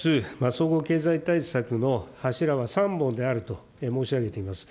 総合経済対策の柱は３本であると申し上げています。